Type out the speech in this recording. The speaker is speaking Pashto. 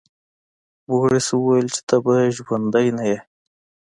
بوریس وویل چې ته به ژوندی نه یې.